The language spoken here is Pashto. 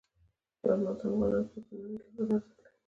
چار مغز د افغانانو لپاره په معنوي لحاظ ارزښت لري.